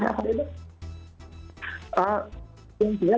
jawabannya apa dadang